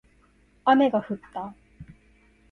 雨が降った